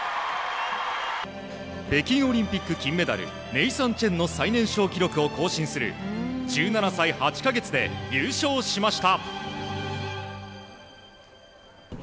北京オリンピック金メダルネイサン・チェンの最年少記録を更新する１７歳８か月で優勝しました。